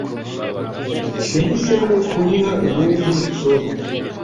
yahisemo kuyiha irindi shoti.